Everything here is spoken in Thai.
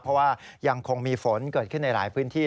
เพราะว่ายังคงมีฝนเกิดขึ้นในหลายพื้นที่